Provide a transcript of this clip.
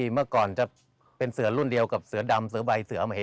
หุ่นไหนทุกคนเจอบ่อยสุด